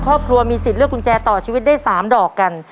ครอบครัวมีสิทธิ์เลือกกุญแจต่อชีวิตได้๓ดอกกัน